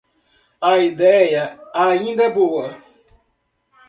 A ideia ainda é boa.